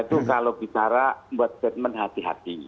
itu kalau bicara buat bad man hati